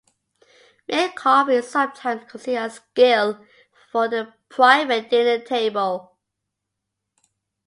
Meat carving is sometimes considered a skill for the private dinner table.